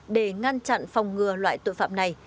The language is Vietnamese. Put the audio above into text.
để ngăn chặn phòng ngừa loại tội phạm này